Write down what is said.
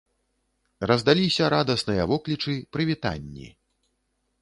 Раздаліся радасныя воклічы, прывітанні.